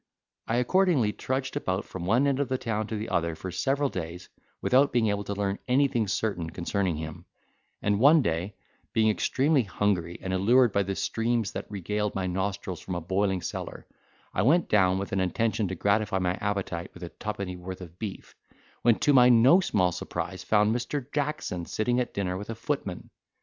I accordingly trudged about from one end of the town to the other, for several days, without being able to learn anything certain concerning him: and, one day being extremely hungry, and allured by the steams that regaled my nostrils from a boiling cellar, I went down with an intention to gratify my appetite with a twopennyworth of beef; when to my no small surprise found Mr. Jackson sitting at dinner with a footman.